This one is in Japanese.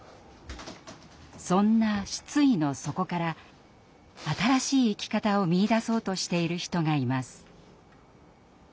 そんな失意の底から新しい生き方を見いだそうとしている人がいます。